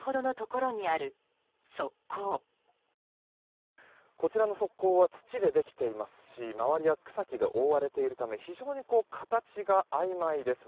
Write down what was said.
こちらの側溝は土でできていますし周りは草木で覆われているため非常に形があいまいです。